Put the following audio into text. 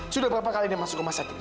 sudah berapa kali dia masuk rumah cantik